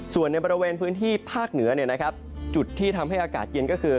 ส่วนในบริเวณพื้นที่ภาคเหนือจุดที่ทำให้อากาศเย็นก็คือ